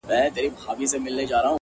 ته مُلا په دې پېړۍ قال ـ قال کي کړې بدل”